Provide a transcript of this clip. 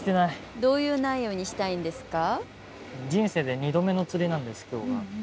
どういう内容にしたいんですか？